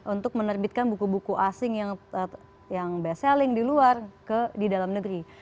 untuk menerbitkan buku buku asing yang best selling di luar di dalam negeri